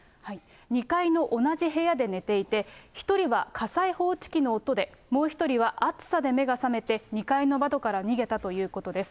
２階の同じ部屋で寝ていて、１人は火災報知器の音で、もう１人は熱さで目が覚めて、２階の窓から逃げたということです。